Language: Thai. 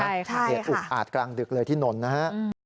เหตุอุปอาศตร์กลางดึกที่โนนท์นะครับ